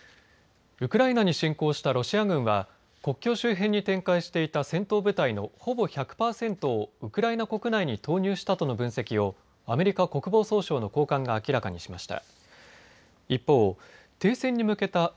ウクライナに侵攻したロシア軍は国境周辺に展開していた戦闘部隊のほぼ１００％をウクライナ国内に投入したとの分析をアメリカ国防総省の高官が明らかにしました。